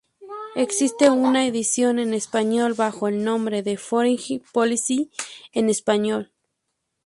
Existe una edición en español bajo el nombre de Foreign Policy en español.